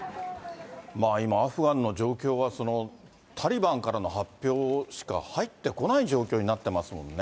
今、アフガンの状況は、タリバンからの発表しか入ってこない状況になってますもんね。